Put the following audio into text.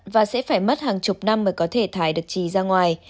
và sẽ phải mất hàng chục năm mới có thể thải được trì ra ngoài